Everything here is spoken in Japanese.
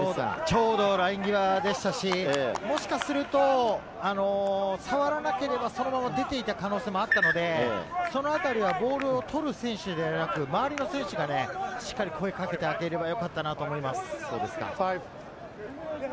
ちょうどライン際でしたし、もしかすると触らなければ、そのまま出ていた可能性もあったので、そのあたりはボールを取る選手ではなく、周りの選手がしっかり声をかけてあげればよかったなと思います。